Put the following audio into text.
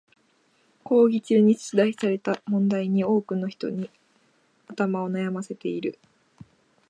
講義中に出題された問題に多くの人に頭を悩ませている。